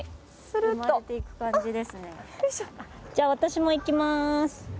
じゃあ私もいきまーす。